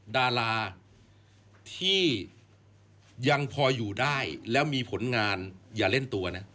ดาราที่ยังพออยู่ได้แล้วมีผลงานอย่าเล่นตัวนะ